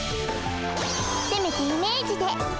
せめてイメージで。